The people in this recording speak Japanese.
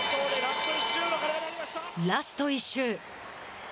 ラスト１周。